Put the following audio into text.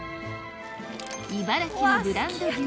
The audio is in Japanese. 茨城のブランド牛